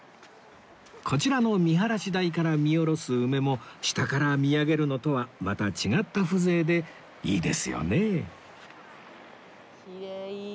こちらの見晴らし台から見下ろす梅も下から見上げるのとはまた違った風情でいいですよね